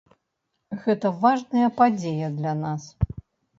Гэта важная падзея для нас.